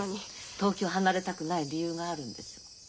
東京離れたくない理由があるんでしょ。